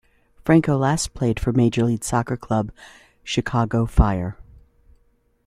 Franco last played for Major League Soccer club Chicago Fire.